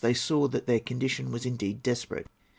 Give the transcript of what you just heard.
They saw that their condition was indeed desperate.